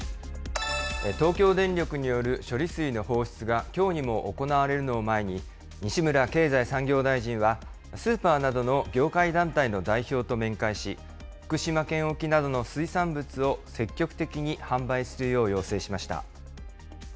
東京電力による処理水の放出がきょうにも行われるのを前に、西村経済産業大臣は、スーパーなどの業界団体の代表と面会し、福島県沖などの水産物を積極的に販売するよう要請しました。